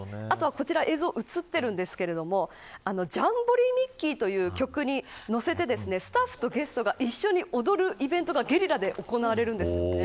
映像に映っていますがジャンボリーミッキーという曲に乗せてスタッフとゲストが一緒に踊るというイベントがゲリラで行われるんです。